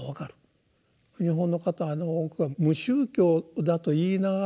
日本の方の多くは無宗教だと言いながら宗教心は大事だと。